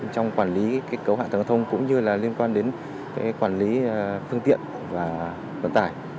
trong quản lý cái cấu hạ thông thông cũng như là liên quan đến cái quản lý phương tiện và vận tải